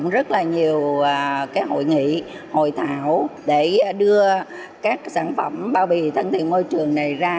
rất là nhiều hội nghị hội thảo để đưa các sản phẩm bao bì thân thiện môi trường này ra